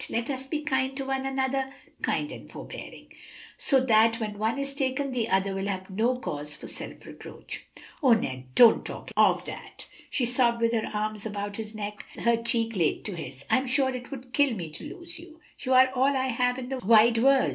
Let us be kind to one another, kind and forbearing, so that when one is taken the other will have no cause for self reproach." "O Ned, don't talk of that," she sobbed with her arms about his neck, her cheek laid to his. "I'm sure it would kill me to lose you. You are all I have in the wide world."